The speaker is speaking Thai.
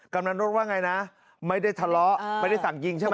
กำลังรุดว่าไงนะไม่ได้ทะเลาะไม่ได้สั่งยิงใช่ไหม